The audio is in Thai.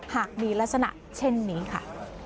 หากมีลักษณะเช่นนี้ค่ะ